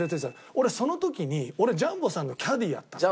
俺その時に俺ジャンボさんのキャディーやったの。